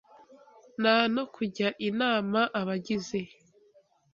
n a n o k ujya in a m a Abagize